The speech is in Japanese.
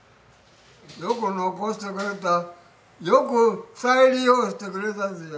よく残してくれたよく再利用してくれた。